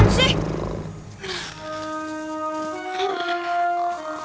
ustaz lu sana bencana